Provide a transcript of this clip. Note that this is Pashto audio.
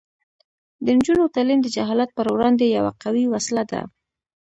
د نجونو تعلیم د جهالت پر وړاندې یوه قوي وسله ده.